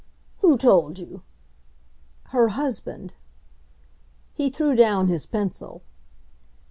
"Who told you?" "Her husband." He threw down his pencil.